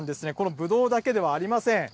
ぶどうだけではありません。